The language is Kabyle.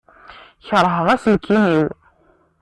Kerheɣ aselkim-iw.